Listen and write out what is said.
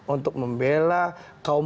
untuk membela kaum